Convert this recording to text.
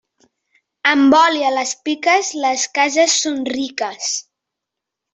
Amb oli a les piques, les cases són riques.